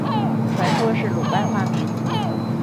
传说是鲁班发明。